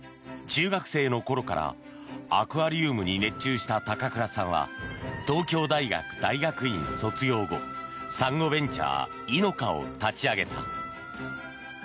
中学生の頃からアクアリウムに熱中した高倉さんは東京大学大学院卒業後サンゴベンチャー、イノカを立ち上げた。